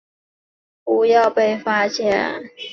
不要被发现